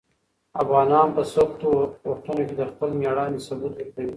افغانان په سختو وختونو کې د خپل مېړانې ثبوت ورکوي.